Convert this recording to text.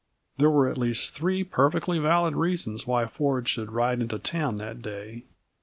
There were at least three perfectly valid reasons why Ford should ride into town that day.